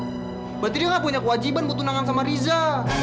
berarti dia nggak punya kewajiban mau tunangan sama riza